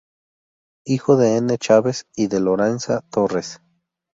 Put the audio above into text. Hijo de N. Chaves y de Lorenza Torres.